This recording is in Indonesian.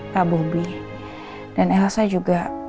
kak bobi dan elsa juga